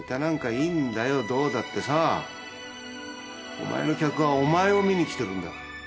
お前の客はお前を観に来てるんだ。